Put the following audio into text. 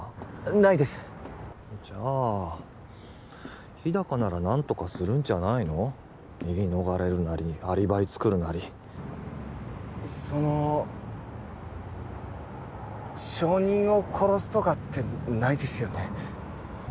ないですじゃあ日高なら何とかするんじゃないの言い逃れるなりアリバイ作るなりその証人を殺すとかってないですよね